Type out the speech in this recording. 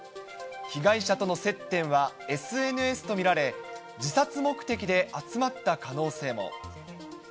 被害者との接点はＳＮＳと見られ、自殺目的で集まった可能性も。